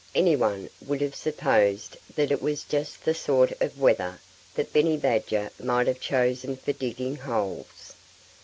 Anyone would have supposed that it was just the sort of weather that Benny Badger might have chosen for digging holes.